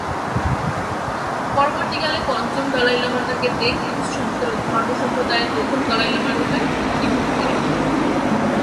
পরবর্তীকালে পঞ্চম Dalai Lama তাকে দ্গে-লুগ্স ধর্মসম্প্রদায়ের প্রথম দলাই লামা রূপে চিহ্নিত করেন।